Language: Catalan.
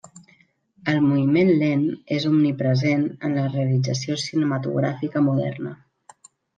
El moviment lent és omnipresent en la realització cinematogràfica moderna.